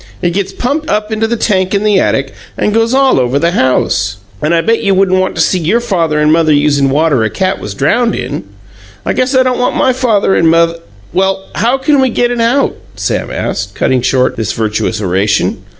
It gets pumped up into the tank in the attic and goes all over the house, and I bet you wouldn't want to see your father and mother usin' water a cat was drowned in. I guess I don't want my father and moth " "Well, how CAN we get it out?" Sam asked, cutting short this virtuous oration.